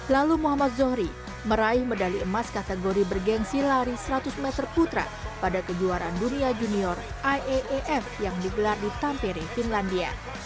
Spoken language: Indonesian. lalu muhammad zohri meraih medali emas kategori bergensi lari seratus meter putra pada kejuaraan dunia junior iaaf yang digelar di tampere finlandia